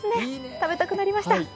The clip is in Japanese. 食べたくなりました。